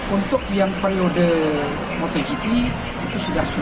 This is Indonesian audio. untuk yang periode motogp itu sudah sembilan puluh